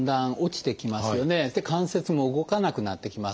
関節も動かなくなってきます。